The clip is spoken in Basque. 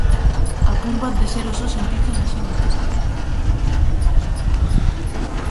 Apur bat deseroso sentitzen hasi nintzen.